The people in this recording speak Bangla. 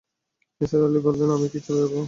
নিসার আলি বললেন, আমি কি চলে যাব?